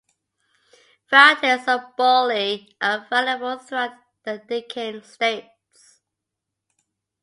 Varieties of boli are available throughout the Deccan states.